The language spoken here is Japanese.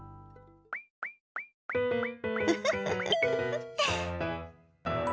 ウフフフフ！